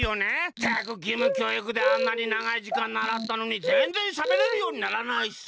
ったくぎむきょういくであんなにながいじかんならったのにぜんぜんしゃべれるようにならないしさ。